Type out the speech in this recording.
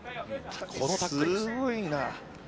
すごいなあ。